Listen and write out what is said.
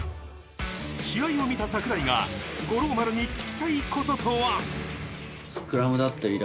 試合を見た櫻井が五郎丸に聞きたいこととは？